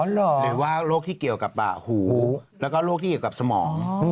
หรือว่าโรคที่เกี่ยวกับหูแล้วก็โรคที่เกี่ยวกับสมอง